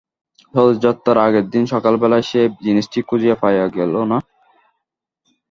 স্বদেশযাত্রার আগের দিন সকালবেলায় সে জিনিসটা খুঁজিয়া পাওয়া গেল না।